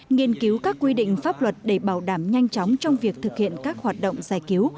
nghiên cứu các quy định pháp luật để bảo đảm nhanh chóng trong việc thực hiện các hoạt động giải cứu